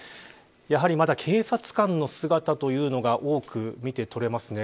やはり、まだ警察官の姿というのが多く見てとれますね。